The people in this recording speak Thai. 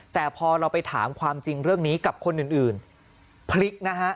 แต่พอเราไปถามความจริงเรื่องนี้กับคนอื่นพลิกนะฮะ